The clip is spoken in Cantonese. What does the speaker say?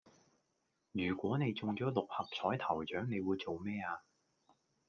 如果你中咗六合彩頭獎你會做咩呀